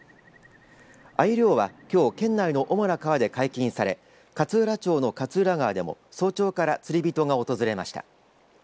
あゆ漁はきょう県内の主な川で解禁され勝浦町の勝浦川でも早朝から釣り人が訪れました。